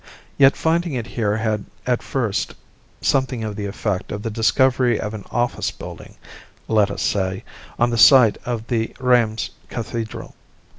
Yet finding it here had at first something of the effect of the discovery of an office building let us say on the site of the Reims Cathedral.